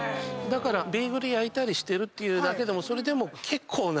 ベーグル焼いたりしてるってだけでもそれでも結構な。